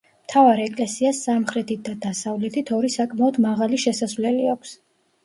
მთავარ ეკლესიას სამხრეთით და დასავლეთით, ორი საკმაოდ მაღალი შესასვლელი აქვს.